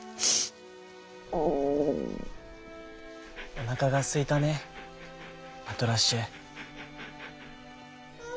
「おなかがすいたねパトラッシュ」。